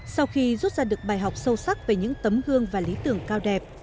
sau khi rút ra được bài học sâu sắc về những tấm gương và lý tưởng cao đẹp